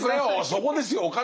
そこですよお金。